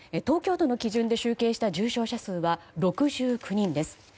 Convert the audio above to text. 東京都の基準で集計した重症者数は６９人です。